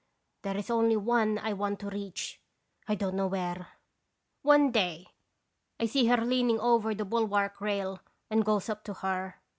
There is only one I want to reach. I don't know where.' " One day I see her leaning over the bul wark rail and goes up to her.